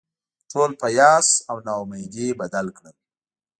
ټول په یاس او نا امیدي بدل کړل.